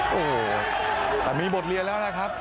โอ้โหแต่มีบทเรียนแล้วนะครับ